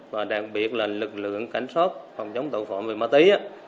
và đặc biệt là lực lượng cảnh sát phòng chống tàu phạm ma túy